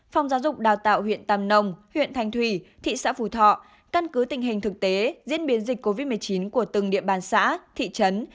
phòng giáo dục đào tạo huyện tàm nồng huyện thành thủy thị xã phú thọ căn cứ tình hình thực tế diễn biến dịch covid một mươi chín của từng địa bàn xã thị trấn